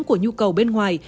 của nhu cầu bên ngoài